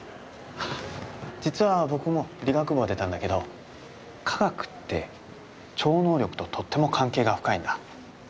実は僕も理学部を出たんだけど化学って超能力ととっても関係が深いんだ。